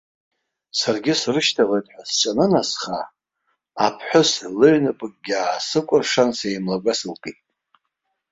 Саргьы срышьҭалоит ҳәа сҿанынасха, аԥҳәыс лыҩнапыкгьы аасыкәыршан сеимлагәа сылкит.